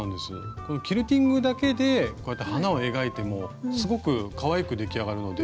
このキルティングだけでこうやって花を描いてもすごくかわいく出来上がるので。